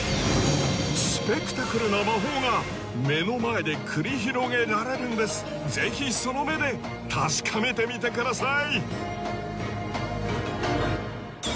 スペクタクルな魔法が目の前で繰り広げられるんですぜひその目で確かめてみてください